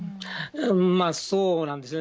まあ、そうなんですよね。